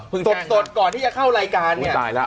พึ่งแจ้งพึ่งโสดก่อนที่จะเข้ารายการเนี่ย